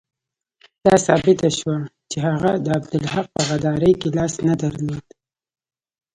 دا ثابته شوه چې هغه د عبدالحق په غداري کې لاس نه درلود.